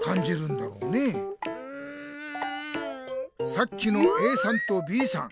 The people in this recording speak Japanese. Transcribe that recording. さっきのＡさんとＢさん